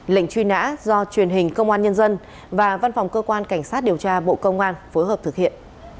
lệnh truy nã do truyền hình công an nhân dân và văn phòng cơ quan cảnh sát điều tra bộ công an phối hợp thực hiện